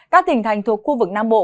các tỉnh thành thuộc khu vực nam bộ